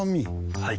はい。